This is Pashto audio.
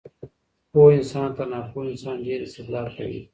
پوه انسان تر ناپوهه انسان ډېر استدلال کوي.